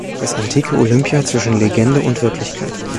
Das antike Olympia zwischen Legende und Wirklichkeit.